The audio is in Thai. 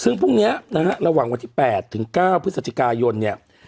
ซึ่งพรุ่งเนี้ยนะฮะระหว่างวันที่แปดถึงเก้าพฤษฎิกายนเนี้ย